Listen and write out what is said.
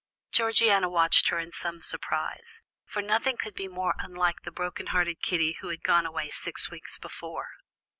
Georgiana watched her in some surprise, for nothing could be more unlike the broken hearted Kitty who had gone away six weeks before.